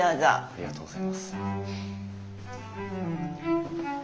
ありがとうございます。